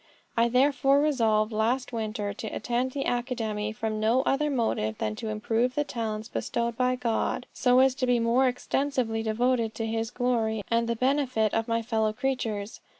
I therefore resolved last winter to attend the academy from no other motive than to improve the talents bestowed by God, so as to be more extensively devoted to his glory, and the benefit of my fellow creatures.